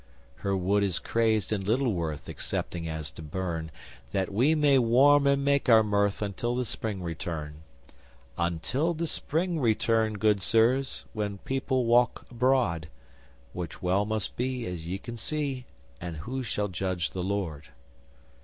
Her wood is crazed and little worth Excepting as to burn That we may warm and make our mirth Until the Spring return Until the Spring return, good sirs, When people walk abroad; Which well must be as ye can see And who shall judge the Lord?